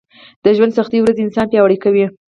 د ژونــد سختې ورځې انـسان پـیاوړی کوي